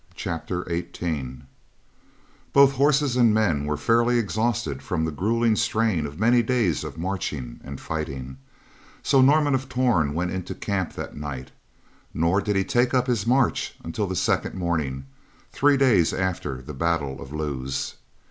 CHAPTER XVIII Both horses and men were fairly exhausted from the gruelling strain of many days of marching and fighting, so Norman of Torn went into camp that night; nor did he again take up his march until the second morning, three days after the battle of Lewes.